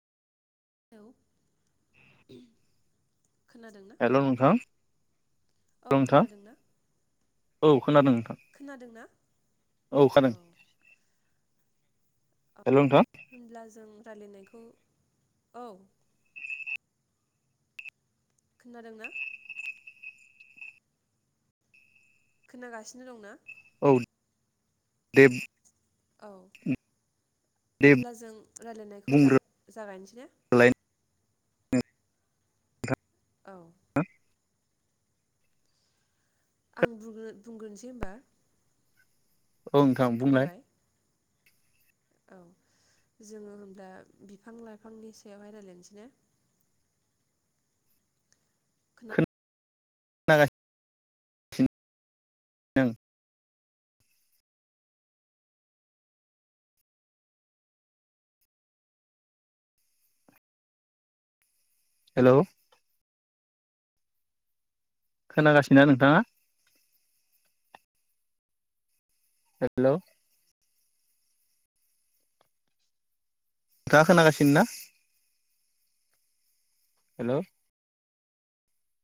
hello [unintelligible] खोनादों ना hello नोंथां हेल' औ नोंथां खोनादोंना औ खोनादों नोंथां खोनादोंना औ खोना अ होनब्ला जों रायलायनायखौ औ खोनादों ना खोनागासिनो दंना [unintelligible] औ दे होमब्ला जों रायलायनायखौ बुंग्रोलाय जा-जागायनोसै ना [inaudible] औ नोंथां औ आं बुंग्रो-बुंग्रोनसै होमबा औ नोंथां बुंलाय औ जोङो होमब्ला बिफां लाइफांनि सायावहाय रायलायनसै ने खोना खोना [inaudible] गा [inaudible] सिनो हेलौ खोनागासिनोना नोंथाङा हे-लौ थाङा खोनागासिनो ना हेलौ